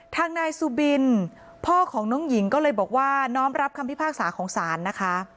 ทางนายสุบินพ่อของน้องหญิงก็เลยบอกว่าน้อมรับคำพิพากษาของศาลนะคะ